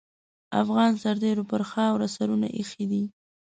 افغان سرتېرو پر خاوره سرونه اېښي دي.